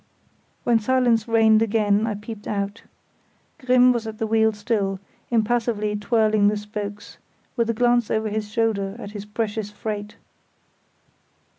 When silence reigned again I peeped out. Grimm was at the wheel still, impassively twirling the spokes, with a glance over his shoulder at his precious freight.